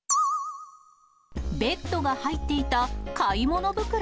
ベッドが入っていた買い物袋。